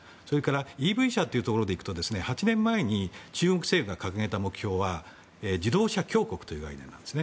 ＥＶ車というところでいくと８年前に中国政府が掲げた目標は自動車強国という概念なんです。